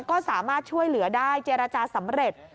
ก็สามารถช่วยเหลือได้เจรจาสำเร็จ